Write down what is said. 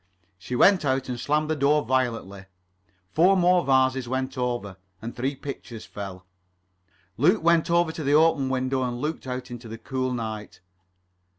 She went out and slammed the door violently. Four more vases went over, and three pictures fell. Luke went over to the open window and looked out into the cool night.